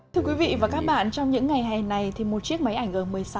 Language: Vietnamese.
thưa quý vị và các bạn trong những ngày hè này thì một chiếc máy ảnh g một mươi sáu